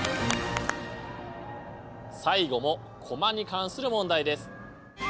最後もコマに関する問題です。